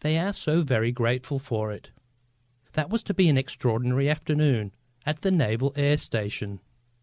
They are so very grateful for it." That was to be an exceptional afternoon at the naval air station.